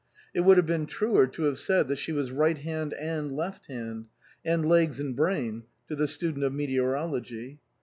It would have been truer to have said that she was right hand and left hand, and legs and brain to the student of meteorology.